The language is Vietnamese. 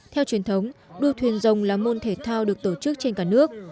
theo truyền thống đua thuyền rồng là môn thể thao được tổ chức trên cả nước